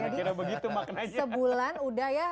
jadi sebulan udah ya